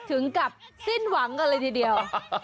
ถึงกับสิ้นหวังอะไรทีเดียว